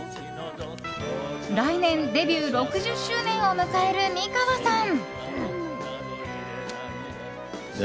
来年、デビュー６０周年を迎える美川さん。